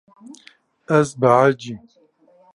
Ez behecîm.